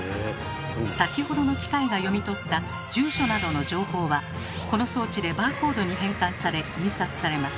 先ほどの機械が読み取った住所などの情報はこの装置でバーコードに変換され印刷されます。